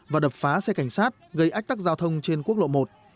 và đập phá xe cảnh sát gây ách tắc giao thông trên quốc lộ một